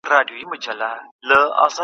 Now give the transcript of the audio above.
سياست د يوه شي په مختلفو بڼو وړاندې کول دي.